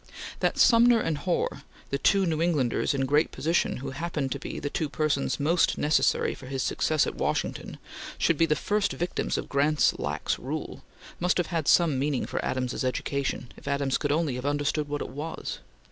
That Sumner and Hoar, the two New Englanders in great position who happened to be the two persons most necessary for his success at Washington, should be the first victims of Grant's lax rule, must have had some meaning for Adams's education, if Adams could only have understood what it was.